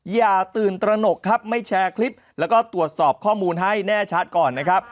อย่าตื่นตระหนกครับไม่แชร์คลิปแล้วก็ตรวจสอบข้อมูลให้แน่ชัดก่อนนะครับ